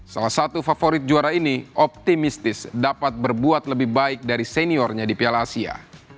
salah satu favorit juara ini optimistis dapat berbuat lebih baik dari seniornya di piala asia